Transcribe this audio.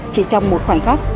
chỉ trong một khoảnh khắc